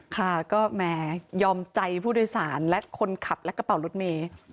ค่ะก็แหมยอมใจผู้โดยสารและคนขับและกระเป๋ารถเมย์